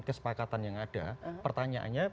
kesepakatan yang ada pertanyaannya